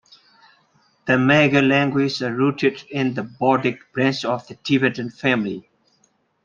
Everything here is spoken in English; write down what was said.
The Magar languages are rooted in the Bodic branch of the Tibetan family.